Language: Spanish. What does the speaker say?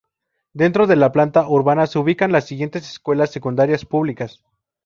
Dentro de la planta urbana se ubican las siguientes escuelas Secundarias públicas.